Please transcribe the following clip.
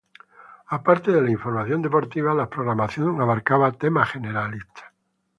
Aparte de la información deportiva, la programación abarcaba temas generalistas.